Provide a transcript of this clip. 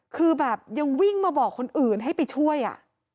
คือแบบยังวิ่งมาบอกคนอื่นให้ไปช่วยอ่ะ